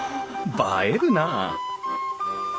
映えるなあ！